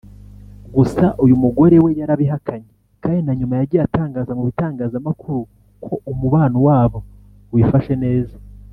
gusa uyu mugore we yarabihakanye kandi na nyuma yagiye atangaza mu bitangazamakuru ko umubano wabo wifashe neza